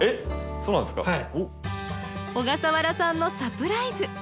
小笠原さんのサプライズ。